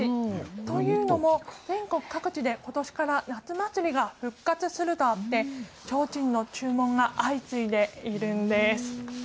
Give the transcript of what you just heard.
というのも全国各地でことしから夏祭りが復活するとあってちょうちんの注文が相次いでいるんです。